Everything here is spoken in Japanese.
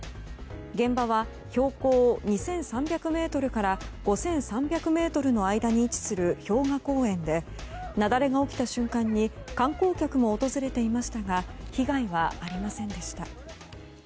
現場は標高２３００ｍから５３００ｍの間に位置する氷河公園で雪崩が起きた瞬間に観光客も訪れていましたが被害はありませんでした。